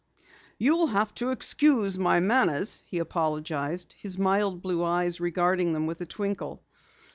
"You'll have to excuse my manners," he apologized, his mild blue eyes regarding them with a twinkle.